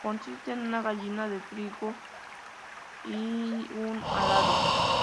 Consiste en una gavilla de trigo y un arado.